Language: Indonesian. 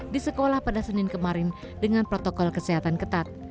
di sekolah pada senin kemarin dengan protokol kesehatan ketat